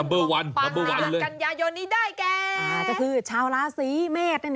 นับเบิ้ล๑เลยนะครับคือชาวลาศีเมศน์นั่นเอง